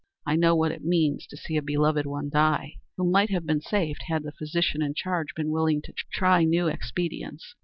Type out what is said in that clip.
I know what it means to see a beloved one die, who might have been saved had the physician in charge been willing to try new expedients.